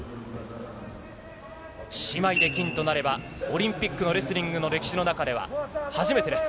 姉妹で金となれば、オリンピックのレスリングの歴史の中では初めてです。